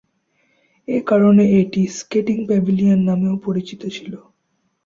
এ কারণে এটি "skating pavilion" নামেও পরিচিত ছিল।